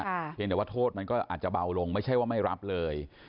เพียงแต่ว่าโทษมันก็อาจจะเบาลงไม่ใช่ว่าไม่รับเลย